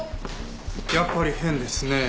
やっぱり変ですねえ。